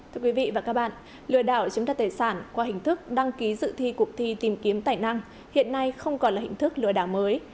thưa quý vị và các bạn lừa đảo chiếm đặt tài sản qua hình thức đăng ký dự thi cuộc thi tìm kiếm tài năng hiện nay không còn là hình thức lừa đảo mới